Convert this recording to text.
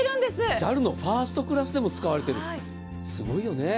ＪＡＬのファーストクラスでも使われている、すごいよね。